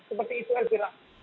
seperti itu elpira